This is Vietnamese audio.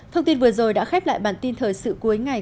thông tin vừa rồi đã khép lại bản tin thời sự cuối ngày